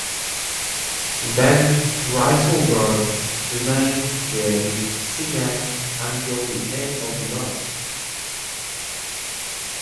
Van Rysselberghe remained there with Signac until the end of the month.